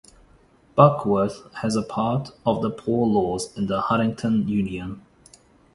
Buckworth was a part of the Poor Laws in the Huntingdon Union.